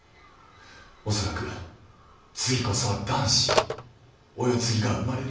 恐らく次こそは男子お世継ぎが生まれるよう。